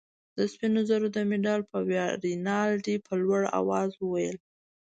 د سپینو زرو د مډال په ویاړ. رینالډي په لوړ آواز وویل.